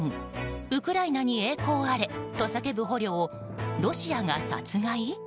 ウクライナに栄光あれ！と叫ぶ捕虜をロシアが殺害？